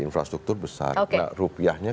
infrastruktur besar nah rupiahnya